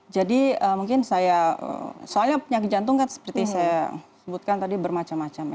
jadi mungkin saya soalnya penyakit jantung kan seperti saya sebutkan tadi bermacam macam